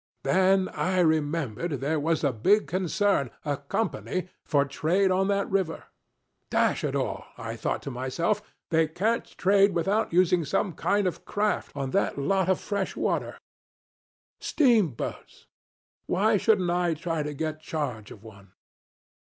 Then I remembered there was a big concern, a Company for trade on that river. Dash it all! I thought to myself, they can't trade without using some kind of craft on that lot of fresh water steamboats! Why shouldn't I try to get charge of one?